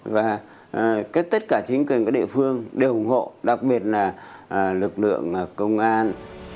và tất cả chính quyền các địa phương đều ủng hộ đặc biệt là lực lượng công an